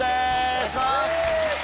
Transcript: お願いします。